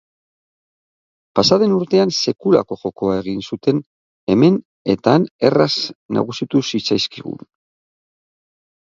Pasa den urtean sekulako jokoa egin zuten hemen eta han erraz nagusitu zitzaizkigun.